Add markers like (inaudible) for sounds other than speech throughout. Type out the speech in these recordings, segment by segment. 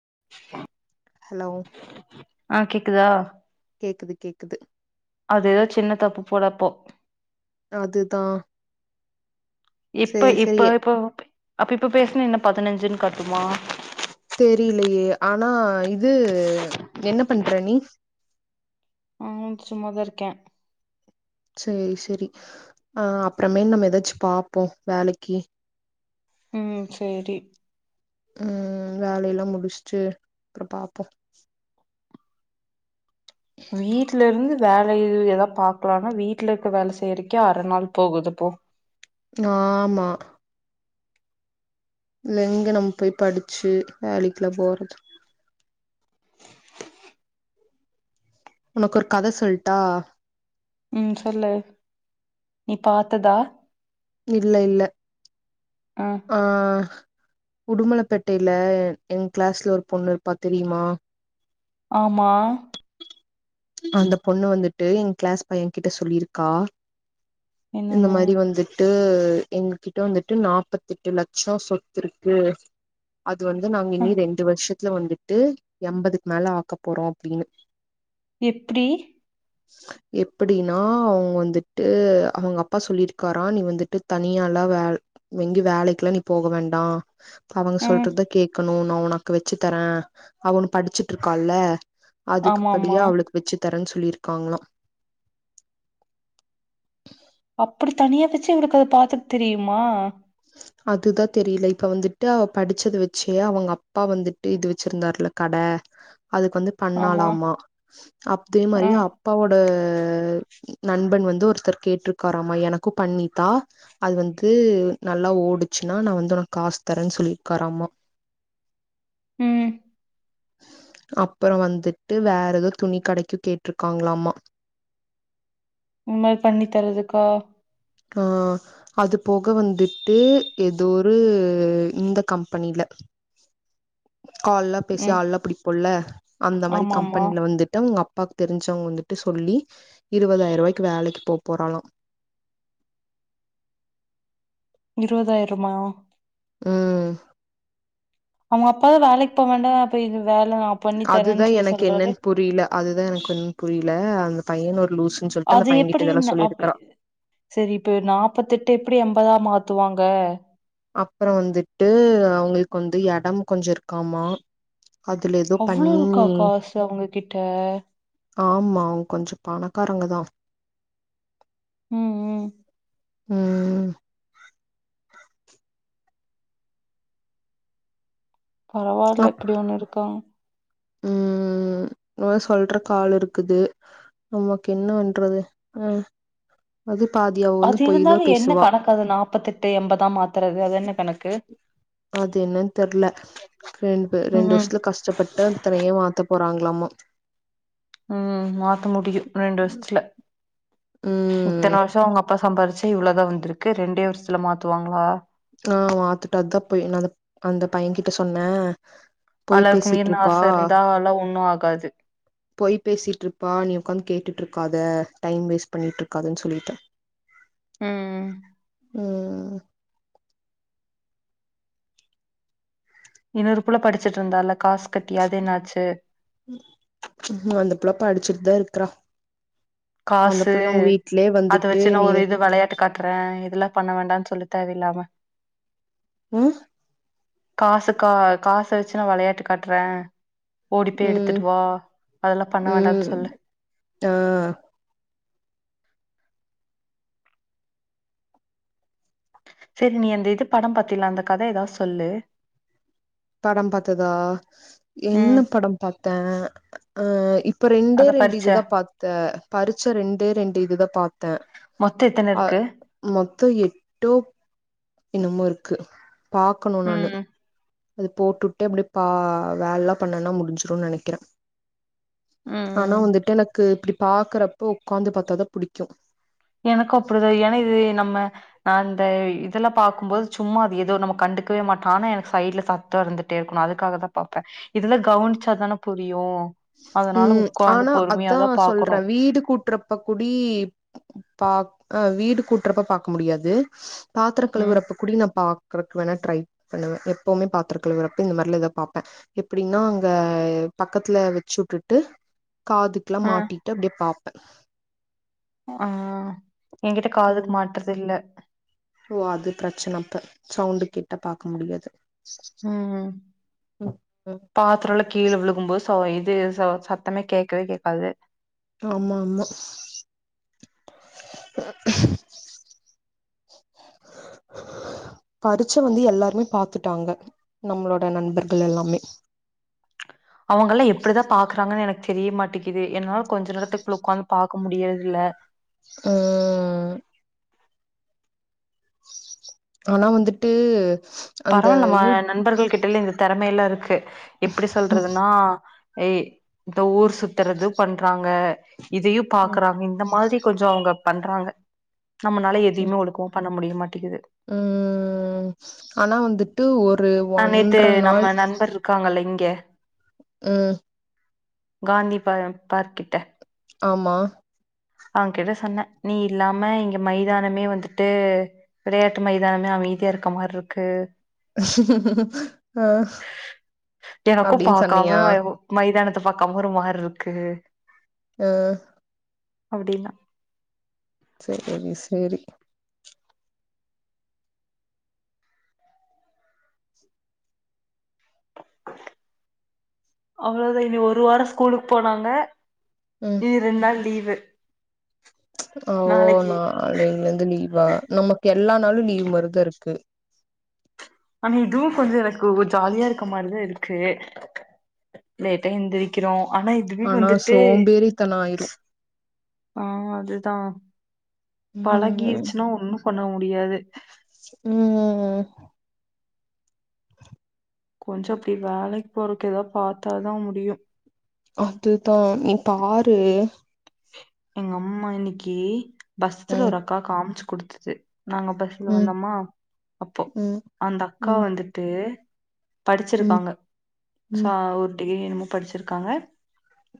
ச (inaudible) ஹலோ ஆஹ் கேக்குதா கேக்குது கேக்குது அது எதா சின்ன தப்பு போல அப்போ அதுதான் இப்ப இப்ப இப்போ அப்ப இப்ப பேசுன என்ன பதினஞ்சுன்னு காட்டுமா தெரியலையே ஆனா இ இது என்ன பண்‌ ப்ரணி ஆஹ் சும்மாதான் இருக்கேன் சேரி சரி அஹ் அப்புறமே நம்ம எதாச்சு பாப்போம் வேலைக்கு உம் சேரி உஹம் வேலையெல்லாம் முடிச்சுட்டு அப்புறம் பாப்போம் வீட்ல இருந்து வேலை ஏதாவ பாக்கலானா வீட்டுல இருக்க வேலை செய்யறக்கே அரை நாள் போகுதுப்போ ஆமா லிங்கனம் போய் படிச்சு வேலைக்குல போறது உனக்கு ஒரு கதை சொல்ட்டா உம் சொல்லு நீ பாத்ததா இல்ல இல்ல ஆ ஆஹ் உடுமலைப்பேட்டையில எ கிளாஸ்ல ஒரு பொண்ணு இருப்பா தெரியுமா ஆமா அந்த பொண்ணு வந்துட்டு என் கிளாஸ் பையன் கிட்ட சொல்லியிருக்கா இந்த என்னன்னு மாரி வந்துட்டு எங்ககிட்ட வந்துட்டு நாப்பத்தி எட்டு லட்சம் சொத்து இருக்கு அது வந்து நாங்க அ இனி ரெண்டு வருஷதுத் தில வந்துட்டு எண்பதுக்கு மேல ஆக்க போறோம் அப்படின்னு எப்படி எப்டினா அவங்க வந்துட்டு அவங்க அப்பா சொல்லிருக்காராம் நீ வந்துட்டு தனியல்லாம் வே எங்கி வேலைக்குல்லாம் நீ போக வேண்டாம் அவங்க ம் சொல்றதான் கேட்கணும் நா உனக்கு வச்சு தரேன் அவனு படிச்சிட்டு இருக்கான்ல அதுக்கு ஆமா ஆமா படியா அவளுக்கு தரேன்னு சொல்லியிருக்காங்களா அப்படி தனியா வச்சு இவளுக்கு அத பாத்துக்கு தெரியுமா அதுதான் தெரில இப்ப வந்துட்டு அவ படிச்சத வச்சே அவங்க அப்பா வந்துட்டு இது வச்சிருந்தாருல கட அதுக்கு வந்து ஆமா பண்ணாலாமா அப்தே ஆ மாரி அப்பாவோட நண்பன் வந்து ஒருத்தர் கேட்டிருக்காராமா எனக்கும் பண்ணிதா அது வந்து நல்லா ஓடுச்சுன்னா நான் வந்து உனக்கு காசு தரேன்னு சொல்லிருக்காராமா உம் அப்புறம் வந்துட்டு வேற ஏதோ துணி கடைக்கு கேட்டுருக்காங்களாமா இந்த மாரி பண்ணி தரதுக்கா ஆஹ் அது போக வந்துட்டு ஏதோ ஒரு இந்த கம்பெனில கால்லாம் பேசி ம் ஆள்லாம் புடிப்போல்ல அந்த மாரி ஆமா ஆமா கம்பெனில வந்துட்டுஅவங்க அப் அப்பாக்கு தெரிஞ்சவங்க வந்துட்டு சொல்லி இருவதாயிரவாய்க்கு வேலைக்கு போப் போறலாம் இருவதாயிரமா உம் அவுங்க அப்பாவ வேலைக்கு போக வேண்டாம் போய்து அதுதான் எனக்கு என்னன்னு புரில அதுதான் எனக்கு புரில அந்த பையன் ஒரு லூசுன்னு சொல்லிட்டு அந்த அது பையன் கிட்ட எப்படி இதெல்லா ன் அப் சொல்லிருக்கறா சரி இப்ப நாப்பத்தெட்டு எப்படி அம்பதா மாத் துவாங்க அப்பறம் வந்துட்டு அவங்களுக்கு வந்து எடம் கொஞ்சம் இருக்காமா அதுல ஏதோ பண்ணி அவ்வளவுக்கா காசு அவுங்க கிட்ட ஆம்மா அவுங்க கொஞ்சம் பணக்காரங்க தான் உம் உம் உம் பரவால்ல இப்டி ஒண்ணு இருக்கா உம் ஒரு சொல்றக்கு ஆள் இருக்குது நமக்ககென்ன பண்றது உம் அது பாதி அவ வந்து அது பொய் தா இருந்தாலும் என்ன பேசுவா கணக்கு அது நாப்பத்தெட்டு என்பதா மாத்துறது அது என்ன கணக்கு அது என்னன்னு தெர்ல ரெண்டு ரெண்டு ம் வருஷத்துல கஷ்டப்பட்டு அத்தனையு மாத்த போறான் வாங்களாமா உம் மாத்த முடியும் ரெண்டு வர்ஷத்துல இத்தன ம் வருஷம் உங்க அப்பா சம்பாரிச்சி ட்டு இ்வ்ளதான் வந்திருக்கு ரெண்டே வருஷத்துல மாத்துவாங்களா ஆஹ் மாத்துட்டாதான் பொய் நான் அந்த பையன் கிட்ட சொன்ன பொய் அளவுக்கு பேசிட் மீறின இருப்பா ஆச இருந்தா அதெல்லா ஒண்ணு ஆகாது பொய் பேசிட் இருப்பா நீ உட்காந்து கேட்டு ட்ருக்காத டைம் வேஸ்ட் பண்ணிட்டுருக்காதான்னு சொல்லிட்ட உம் உம் உம்உம் இன்னொரு புள்ள படிச்சிட்டு இருந்தால காசு கட்டி அது என்னாச்சு ம் அந்த புள்ள படிச்சிட்டு தான் இருக்கு க்றா காசு அத வந்துட்டு வச்சு நான் நீ ஒரு இது வெளையாட்டு காட்டுறன் இதெல்லாம் பண்ண வேண்டாம்னு சொல்லு தேவ இல்லாம உம் காசு கா காசு வச்சு நான் வெளையாட்டு காட்டுற ஓடிப்பேய் ம் எடுத்துட்டு வா அதெல்லாம் பண்ண வேண்டான் ம் சொல்லு ஆ செரி நீ அந்த இது படம் பாத்தல அந்த கத எதாவது சொல்லு படம் பாத்ததா என்ன ம் படம் பாத்த ஹா இப் இப்ப ரெண்டே அத ரெண்டு பறிச்ச இது தான் பாத்த பறிச்ச ரெண்டே ரெண்டு இதுதான் பாத்த மொத்தோ எத்தன அ இருக்கு மொ மொத்தோ எட்டோ என்னமோ இருக்கு பாக்கணும் நானு ம் அது போட்டுட்டே அப்டி பா வேலல்லாம் பண்ணனா முடிஞ்சிரும்ன்னு நெனைக்கிறேன் ம் ஆனா ம் வந்துட்டு எனக்கு இப்டி பாக்குறப்ப உட்காந்து பாத்தாதான் புடிக்கும் எனக்கும் அப்டிதான் ஏன்னா இது நம்ம நான் அந்த இதெல்லாம் பாக்கும்போது சும்மா அது ஏதோ நம்ம கண்டுக்கவே மாட்டோம் ஆனா எனக்கு சைட்ல சத்தோம் இருந்துட்டே இருக்கணும் அதுக்காக தான் பாப்பேன் இதெலாம் கவனிச்சாதானே புரியும் ம் ஆனா அதான் பாக்கணு சொல்றேன் வீடு கூட்டுறப்ப கூடி பா அ வீடு கூட்டுறப்ப பாக்க முடியாது பாத்திர ம் கழுவுறப்ப கூடி நான் பா வெளக் வேணா டரை பண்ணுவேன் எப்பவுமே பாத்ரோகழுவுறப்ப இந்த மாரில எத பாப்பேன் எப்டின்னா அங்க பக்கத்துல வெச் சுக்கிடுட்டு காதுக்குலாம் மாட்டிட்டு அப்டியே பாப் ஆஹ் என்கிட்ட காதுக்கு உம் மாட்டறது இல்ல ஓ அது பிரச்சன அப்ப சவுண்டு கேட்டா பாக்க முடியாது ம் ம்பாத்ரோலா கீழ விழுகும் போது சோ இது சோ சத்தமே கேட்கவே கேக்காது ஆமா ஆமா பரிச்ச வந்து எல்லாருமே பாத்துட்டாங்க நம்மளோட நண்பர்கள் எல்லாமே அவுங்கல்லாம் எப்டிதான் பாக்குறாங்கன்னு எனக்கு தெரிய மாட்டேக்குது என்னால கொஞ்ச நேரத்துக்குள்ள ஒக்காந்து பாக்க முடியறதுல உம் ஆனா வந்துட்டு அந்த பரவாயில்லமா யூ நண்பர்கள் கிட்டல இந்த திறமைய எல்லாம் இருக்கு எப்டி சொல்றதுன்னா ய் இந்த ஊர் சுத்துறது பண்றாங்க இதையு ம் பாக்குறாங்க இந்த மாதிரி கொஞ்ச அவுங்க பண்றாங்க நம்மனால ம் எதையுமே ஒழுக்கமா பண்ண முடியு மாட்டிங்குது ம் ஆனா வந்துட்டு ஒரு ஒன்ர நாள் ல இங்க ம் காந்தி பா பார்க் கிட்ட ஆமா அவன் கிட்ட சொன்னே நீ இல்லாம இங்க மைதானமே வந்துட்டு வெளையாட்டு மைதானமே அமைதியா இருக்க மாரி இருக்கு அஹ் அப்டினு சொன்னியா த பாக்காம ஒரு மாரி இருக்கு ஆஹ் அப்டிலா சேரி சேரி அவ்ளவுதா இனி ஒரு வாரோ ஸ்கூலுக்கு போனாங்க ம் இனி ரெண்டு நாள் லீவு (inaudible) ஓ நாளைக்கி நாளையில இருந்து லீவா நமக்கு எல்லா நாளு லீவ் மாரிதா இருக்கு இதுவு கொஞ்ச எனக்கு ஜாலியா இருக்க மாரிதா இருக்கு லேட்டா எந்திரிக்கிறோ ஆனா இதுவே ஆனா வந்துட்டு சோம்பேறித்தனோ ஆயிரு ஆஹ் அதுதா ம் பழகிருச்சுன்னா ஒண்ணு பண்ண முடியாது உம் கொஞ்சோ அப்டி வேலைக்கு போறதுக்கு ஏதா பாத்தாதா முடியு அதுதா நீ பாரு எங்க அம்மா இன்னைக்கி பஸ்ல ம் ஒரு அக்கா காமுச்சு குடுத்துது நாங்க பஸ்ல ம் வந்தோமா அப்போ ம் அந்த அக்கா ம் வந்துட்டு ம் படிச்சிருக்காங்க சா ம் ஒரு டிகிரி என்னமோ படிச்சிருக்காங்க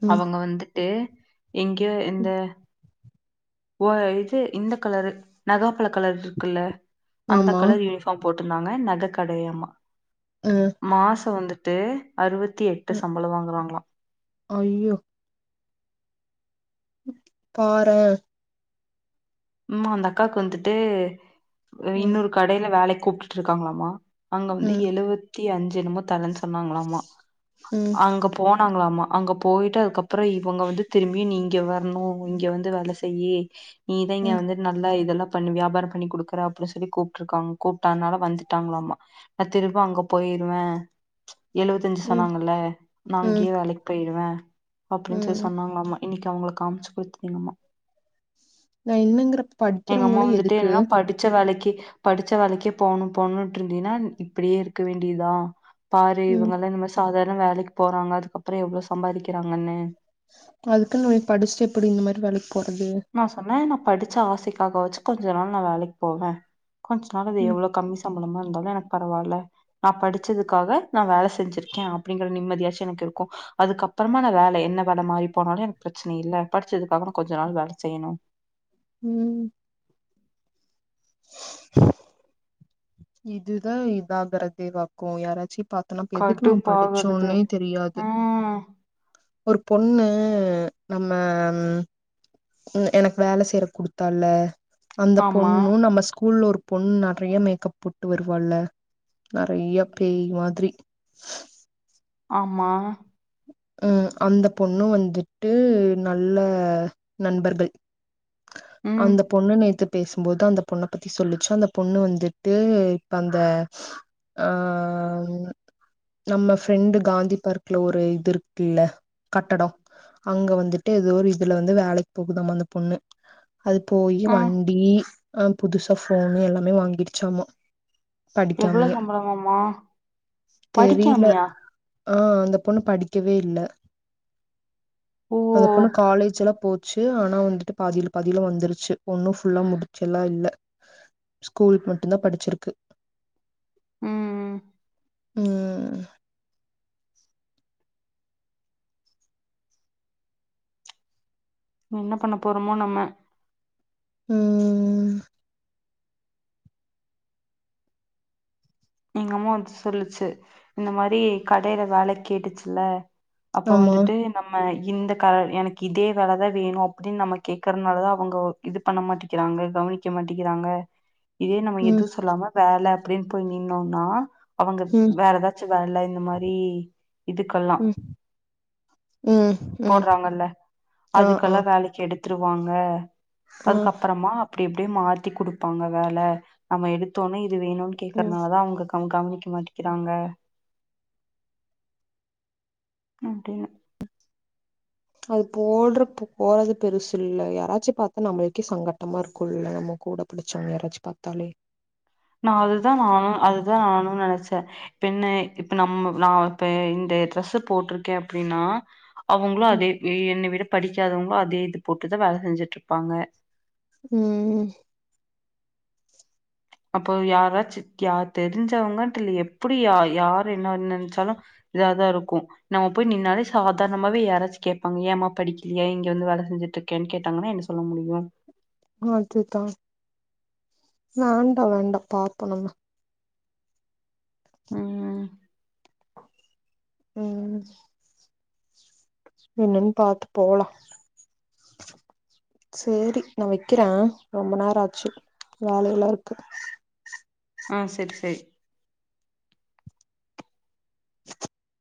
ம் அவங்க வந்து ட்டு எங்க ந்த ம். ஓ இது இந்த கலரு நகாப்பழ கலர் இருக்குல்ல அந்த ஆமா கலர் யூனிஃபார்ம் போட் இருந்தாங்க நக கடயமா அ மாச வந்து ட்டு அறுபத்தி எட்டு அ சம்பளம் வாங்குறாங்களாம் ஐயோ பாரன் உமா அந்த அக்காக்கு வந்துட்டு ம் இன்னொரு கடைல வேலைக்கு கூப்ட்டுட்டு இருக்காங்களாமா அங்க வந்து ம் எழுவது வத்தி அஞ்சு தரன் சொன்னாங்களாமா ம் அங்க போன் ங்களாமா அங்க போயிட்டு அதுக்கப்புறம் இவங்க வந்து திரும்பி நீங்க வரணும் இங்க வந்து வேல செய்யி நீங்க ம் வந்து நல்லா இதெல்லா பண்ணி வியாபாரம் பண்ணி குடுக்குற அப்படின்னு சொல்லி கூப்பிட்டு இருக்காங்க கூப்பிட்டனால வந்துட்டாங்களாம நான் திரும்ப அங்க போயிருவேன் எழுவத்தஞ்சு ம் சொன்னாங்கல்ல நா ம் அங்கயே வேலைக்கு போயிடுவேன் (inaudible) அப்டின்னு சொல்லி ம் சொன்னாங்களாமா இன்னிக்கு அவங்களுக்கு காமிச்சு கொடுத்தீங்கம்மா நான் என்னங்கிற படிக்கிறவங்கள எதுக்கு என்னன்னா படிச்ச வேலைக்கு படிச்ச வேலைக்கே போணும் போணுட்டு இருந்தீன்னா இப்படியே இருக்க வேண்டியதுதான் பாரு ம் இவங்க எல்லாம் நம்ம சாதாரண வேலைக்கு போறாங்க அதுக்கப்புறம் எவ்வளோ சம்பாதிக்கிறாங்கன்னு அதுக்குன்னு படிச்சுட்டு எப்படி இந்த மாரி வேலைக் நா சொன்னேனா படிச்ச ஆசைக்காக வாச்சு கொஞ்ச நாள் நான் வேலைக்கு போவேன் கொஞ்ச நாள் அது ம் எவ்ளோ கம்மி சம்பளமாக இருந்தாலு எனக்கு பரவால்ல நான் படிச்சதுக்காக நான் வேல செஞ்சிருக்கேன் அப்படிங்கற நிம்மதியாச்சும் எனக்கு இருக்கும் அதுக்க அப்புறமா நான் வேல என்ன வேல மாறி போனாலும் எனக்கு பிரச்சன இல்ல படிச்சதுக்காக நான் கொஞ்ச நாள் வேல செய்யணும் உம் இதுதான் இதான் வறதேவாக்கும் யாராச்சும் பாத்தோனாப்ப எதுக்கு நம்ம கடுப்பாகுறது படிச்சோனே தெரியாது ம் பொண்ணு நம்ம உம் எனக்கு வேல செய்ற குடுத்தால அந்த ஆமா பொண்ணும் நம்ம ஸ்கூல்ல ஒரு பொண்ணு நெறைய மேக்கப் போட்டு வருவால்ல நெறைய பேய் மாதிரி ஆமா உம் அந்த பொண்ணு வந்துட்டு நல்ல நண்பர்கள் ம் அந்த பொண்ணு நேத்து பேசும்போது அந்த பொண்ண பத்தி சொல்லிச்சு அந்த பொண்ணு வந்துட்டு இப்ப அந்த ஆ நம்ம ஃபிரண்ட் காந்தி பார்க்ல ஒரு இது இருக் கில்ல கட்டடோ அங்க வந்துட்டு ஏதோ ஒரு இதுல வந்து வேலைக்கு போகுதாம அந்த பொண்ணு அது போயி ஆ வண்டி ஆஹ் புதுசா ஃபோனு எல்லாமே வாங்கிருச்சாம எவ்ளவு சம்பளமாமா படிக்காமியா ஆஹ் அந்த பொண்ணு படி க்கவே இல்ல ஓ அந்த பொண்ணு காலேஜல்லா போ ச்சு ஆனா வந்துட்டு பாதியில பாதியில வந்துருச்சு ஒன்னு ஃபுல்லா முடிச்சல்லா இல்ல ஸ்கூலுக்கு மட்டுந்தா படிச்சிருக்கு ம் உம் ம் என்ன பண்ண போறோமோ நம்ம உம் எங்க அம்மா வந்து சொல்லுச்சு இந்த மாரி கடையில வேலை கேட்டுச்சுல்ல அப்போ ஆமா வந்துட்டு நம்ம இந்த க எனக்கு இதே வேலதா வேணு அப்டின்னு நம்ம கேக்குறதுனாலதா அவங்க இது பண்ண மாட்டேங்கிறாங்க கவனிக்க மாட்டிங்கிறாங்க இதே நம்ம ம் எதுவு சொல்லாம வேல அப்டினு போய் நின்னோன்னா அவங்க ம் வேற ஏதாச்சு வேல இந்த மாரி இதுக்கெல்லா ம் ம் ம் போடுறாங்கல்ல ஆ ஆ அதுக்கெல்லா வேலைக்கு எடு த்துருவாங்க ம் அதுக்கப்புறமா அப்டி இப்டி மாத்தி குடுப்பாங்க வேல நம்ம எடுத்தோனே இது வேணுன்னு கே ம் ட்டதுனாலதா அவங்க அவங்க கவனிக்க மாட்டிங்கிறாங்க அப்டின்னு அது போடுற போறது பெருசு இல்ல யாராச்சு பாத்தா நம்மளுக்கே சங்கட்டமா இருக்கும்ல்ல நம்ம கூட படிச்சவங்க யாராச்சு பாத்தாலே நா அதுதா நானும் அதுதா நானும் நெனைச்சே இப்ப என்ன இப்ப நம்ம நா இப்ப இந்த ட்ரெஸு போட்ருக்கே அப்டின்னா அவங்களு அதே எ என்ன விட படிக் க்காதவங்களு அதே இது போட்டுதா வேல செஞ்சுட்ருப்பாங்க உம் அப்போ யாராச்சு யா தெரிஞ்சவங்கன்ட்டு இல்ல எப்டி யா யார் என்னன் நெனைச்சாலு இதாதா இருக்கு நம்ம போய் நின்னாலே சாதாரணமாவே யாராச்சு கேப்பாங்க ஏம்மா படிக்கிலையா இங்க வந்து வேலை செஞ்சுட்டு இருக்கேன்னு கேட்டாங்கன்னா என்ன சொல்ல முடியு அதுதா வேண்டா வேண்டா பாப்போ நம்ம உம் உம் என்னன்னு பாத்து போலாம் சேரி நான் வக்கிறேன் ரொம்ப நேரம் ஆச்சு வேலயில இருக்கு ஆஹ் செரி செரி (inaudible)